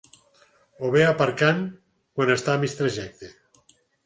O bé «aparcant» quan està a mig trajecte.